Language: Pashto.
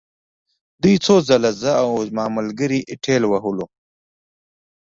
دوی څو ځله زه او زما ملګري ټېل وهلو